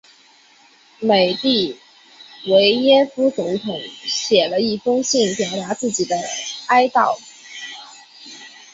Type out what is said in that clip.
美的维耶夫总统写了一封信表达自己的哀悼。